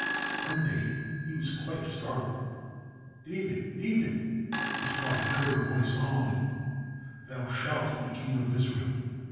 One day he was quite startled. "David, David," he thought he heard a voice calling, "thou shalt be King of Israel."